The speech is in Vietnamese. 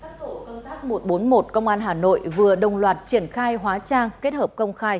các thổ công tác một trăm bốn mươi một công an hà nội vừa đồng loạt triển khai hóa trang